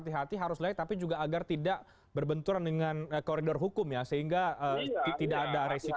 hati hati harus layak tapi juga agar tidak berbenturan dengan koridor hukum ya sehingga tidak ada resiko